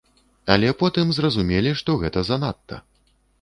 Але потым зразумелі, што гэта занадта.